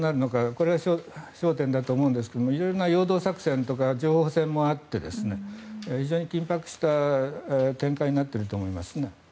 これが焦点だと思いますが色々な陽動作戦とか情報戦もあって非常に緊迫した展開になっていると思います。